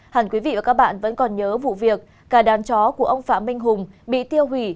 hẳn quý vị và các bạn vẫn còn nhớ vụ việc cả đàn chó của ông phạm minh hùng bị tiêu hủy